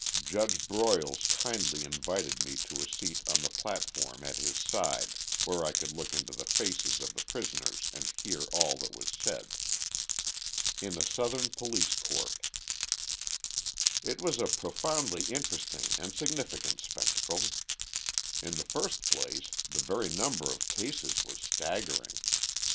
Judge Broyles kindly invited me to a seat on the platform at his side where I could look into the faces of the prisoners and hear all that was said. In a Southern Police Court It was a profoundly interesting and significant spectacle. In the first place the very number of cases was staggering.